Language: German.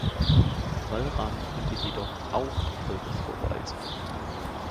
Walram konnte jedoch auch Erfolge vorweisen.